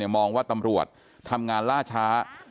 มองว่าตำรวจทำงานล่าช้า